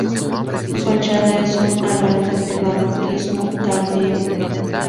Su fachada es un alarde de barroquismo tardío.